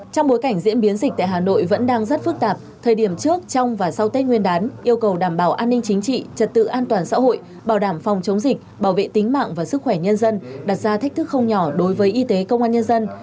trong bối cảnh diễn biến dịch tại hà nội vẫn đang rất phức tạp thời điểm trước trong và sau tết nguyên đán yêu cầu đảm bảo an ninh chính trị trật tự an toàn xã hội bảo đảm phòng chống dịch bảo vệ tính mạng và sức khỏe nhân dân đặt ra thách thức không nhỏ đối với y tế công an nhân dân